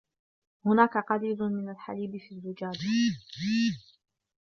هناك قليل من الحليب في الزجاجة.